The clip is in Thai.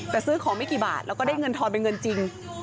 แต่ซื้อของไม่กี่บาทแล้วก็ได้เงินทอนเป็นเงินจริง